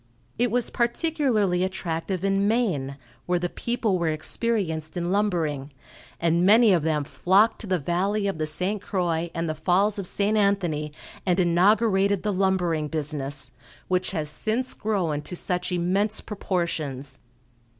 It was particularly attractive in Maine, where the people were experienced in lumbering, and many of them flocked to the Valley of the St. Croix and the Falls of St. Anthony, and inaugurated the lumbering business, which has since grown to such immense proportions.